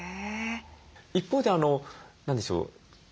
一方で何でしょう